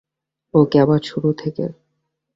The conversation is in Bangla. ওকে, আবার শুরু থেকে।